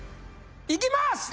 いきます